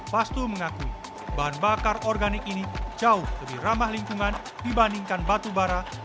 pastu mengakui bahan bakar organik ini jauh lebih ramah lingkungan dibandingkan batu bara